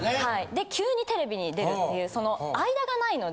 で急にテレビに出るっていうその間がないので。